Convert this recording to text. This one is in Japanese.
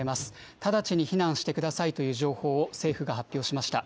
直ちに避難してくださいという情報を政府が発表しました。